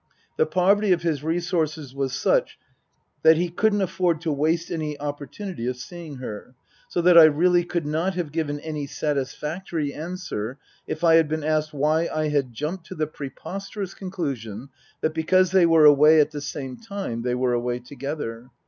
The poverty of his resources was such that he couldn't afford to waste any opportunity of seeing her. So that I really could not have given any satisfactory answer if I had been asked why I had jumped to the preposterous conclusion that, because they were away at the same time, they were away together.